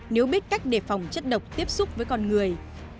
nếu biết cách đề phòng chất độc tiếp xúc với con người